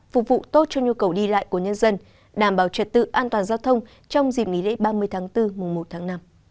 phục vụ tốt cho nhu cầu đi lại của nhân dân đảm bảo trật tự an toàn giao thông trong dịp nghỉ lễ ba mươi tháng bốn mùa một tháng năm